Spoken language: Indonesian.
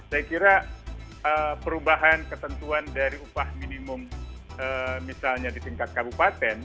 saya kira perubahan ketentuan dari upah minimum misalnya di tingkat kabupaten